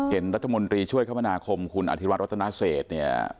เห็นรัฐมนตรีช่วยคมนาคมคุณอธิวัฒนาเศษเนี่ย